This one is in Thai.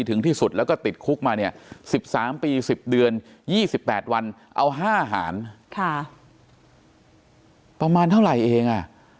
ถึงที่สุดแล้วก็ติดคุกมาเนี่ย๑๓ปี๑๐เดือน๒๘วันเอา๕หารประมาณเท่าไหร่เอง